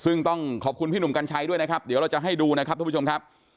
ซึ่งต้องขอบคุณพี่หนุ่มกัญชัยด้วยนะครับเดี๋ยวเราจะให้ดูนะครับทุกผู้ชมครับ